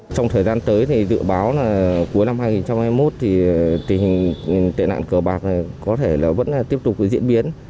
trong thời gian tới thì dự báo là cuối năm hai nghìn hai mươi một thì tình hình tệ nạn cờ bạc này có thể là vẫn tiếp tục diễn biến